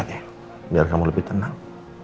doa deh biar kamu lebih tenang